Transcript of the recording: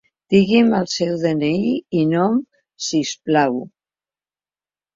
Digui'm el seu de-ena-i i nom, si us plau.